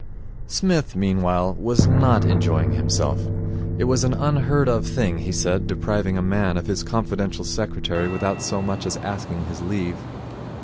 Psmith, meanwhile, was not enjoying himself. It was an unheard of thing, he said, depriving a man of his confidential secretary without so much as asking his leave.